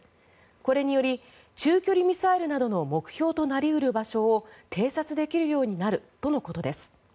これにより中距離ミサイルなどの目標となり得る場所を偵察できるようになるとのことです。